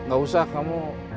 gak usah kamu